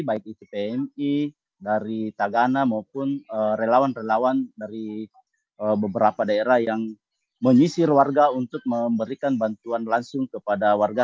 baik itu pmi dari tagana maupun relawan relawan dari beberapa daerah yang menyisir warga untuk memberikan bantuan langsung kepada warga